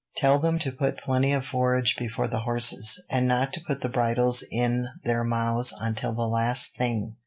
Tell them to put plenty of forage before the horses, and not to put the bridles in their mouths until the last thing.